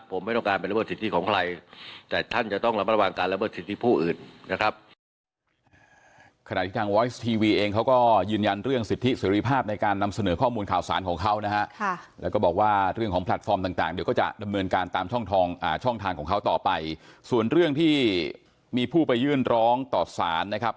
ผมไม่ต้องการไประเบิดสิทธิของใครแต่ท่านจะต้องรับระวังการระเบิดสิทธิผู้อื่นนะครับ